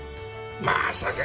まさか！